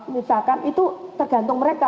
misalkan itu tergantung mereka